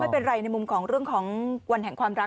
แต่ไม่เป็นไรในมุมของเวลาความรัก